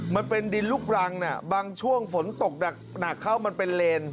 มันเป็นดินลูกรังบางช่วงฝนตกหนักเข้ามันเป็นเลน